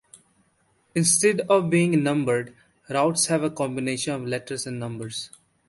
Instead of being numbered, routes have a combination of letters and numbers.